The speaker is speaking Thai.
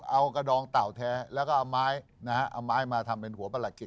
เอากระดองเต่าแท้แล้วก็เอาไม้นะฮะเอาไม้มาทำเป็นหัวประหลัด